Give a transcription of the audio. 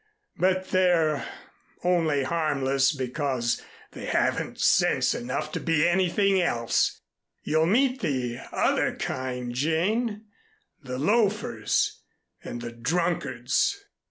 "But they're only harmless because they haven't sense enough to be anything else. You'll meet the other kind, Jane, the loafers and the drunkards."